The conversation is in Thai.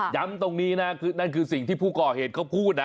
ตรงนี้นะคือนั่นคือสิ่งที่ผู้ก่อเหตุเขาพูดนะ